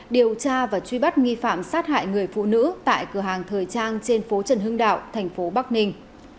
điều tra và truy bắt nghi phạm sát hại người phụ nữ tại cửa hàng thời trang trên phố trần hưng đạo thành phố bắc ninh